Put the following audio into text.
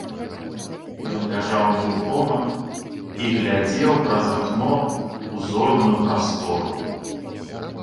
Ён ляжаў нерухома і глядзеў праз акно ў зорную прастору.